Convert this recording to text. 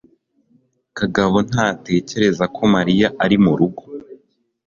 kagabo ntatekereza ko mariya ari murugo